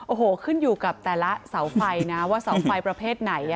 โอ้โหขึ้นอยู่กับแต่ละเสาไฟนะว่าเสาไฟประเภทไหน